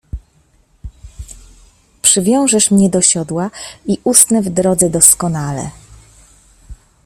- Przywiążesz mnie do siodła i usnę w drodze doskonale.